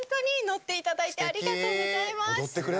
ノッていただいてありがとうございます。